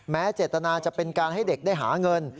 เจตนาจะเป็นการให้เด็กได้หาเงิน